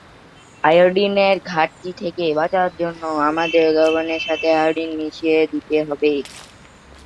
আয়োডিনের ঘাটতি থেকে বাঁচার জন্য আমাদের লবণের সাথে আয়োডিন মিশিয়ে দিতে হবে।